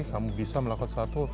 kamu bisa melakukan sesuatu